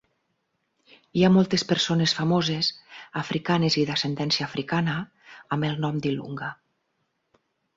Hi ha moltes persones famoses, africanes i d'ascendència africana, amb el nom d'Ilunga.